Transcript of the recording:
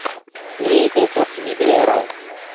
Ni estas liberaj!